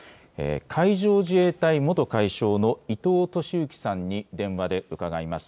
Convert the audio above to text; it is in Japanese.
海上自衛隊元海将の伊藤俊幸さんに電話で伺います。